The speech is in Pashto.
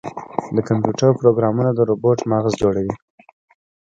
د کمپیوټر پروګرامونه د روبوټ مغز جوړوي.